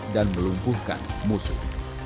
dan melumpuhkan musuh